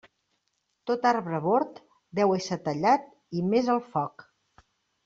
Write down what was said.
Tot arbre bord deu esser tallat i mes al foc.